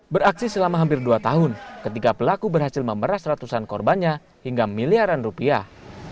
beraksi selama hampir dua tahun ketika pelaku berhasil memeras ratusan korbannya hingga miliaran rupiah